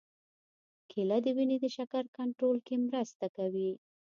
کېله د وینې د شکر کنټرول کې مرسته کوي.